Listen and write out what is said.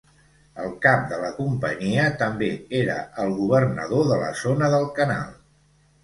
El cap de la Companyia també era el Governador de la Zona del Canal.